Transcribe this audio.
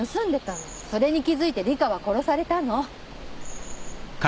それに気付いて里香は殺されたの。